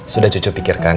sudah cucu pikirkan